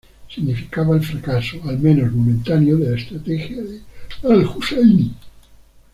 Significaba el fracaso, al menos momentáneo, de la estrategia de Al-Husayni.